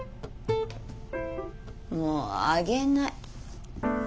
もうあげない。